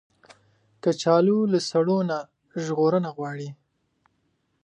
کچالو له سړو نه ژغورنه غواړي